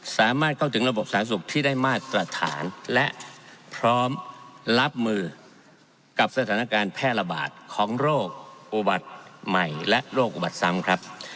สามารถเข้าถึงระบบสาธารณสุขที่ได้มาตรฐานและพร้อมรับมือกับสถานการณ์แพร่ระบาดของโรคอุบัติใหม่และโรคอุบัติซ้ำครับ